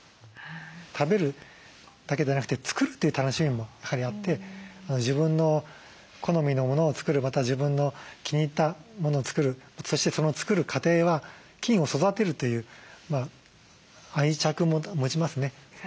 食べるだけじゃなくて作るという楽しみもやはりあって自分の好みのものを作るまた自分の気に入ったものを作るそしてその作る過程は菌を育てるという愛着も持ちますね。